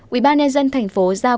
ủy ban nhân dân thành phố giao